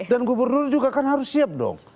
gubernur juga kan harus siap dong